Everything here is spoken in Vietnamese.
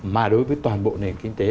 mà đối với toàn bộ nền kinh tế